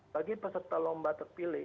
bagi peserta lomba terpilih